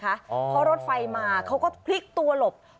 เพราะรถไฟมาเขาก็พลิกตัวหลบ